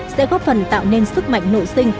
sẽ góp phần tạo nên sức mạnh nội sinh